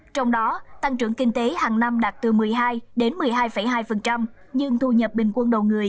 trong đó tăng trưởng kinh tế hàng năm đạt từ một mươi hai đến một mươi hai hai nhưng thu nhập bình quân đầu người